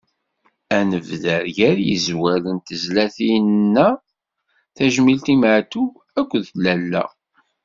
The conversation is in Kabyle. Ad nebder gar yizwal n tezlatin-a: Tajmilt i Matoub akked lalla.